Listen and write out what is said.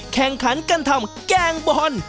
แข่งขันกันทำแกงบอล